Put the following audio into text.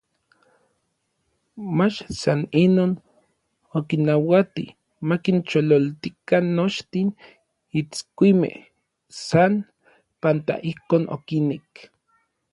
mach san inon, okinnauati makinchololtikan nochtin itskuimej san panpa ijkon okinek.